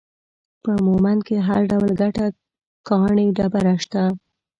په مومند کې هر ډول ګټه ، کاڼي ، ډبره، شته